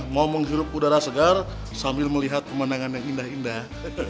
mau menghirup udara segar sambil melihat pemandangan yang indah indah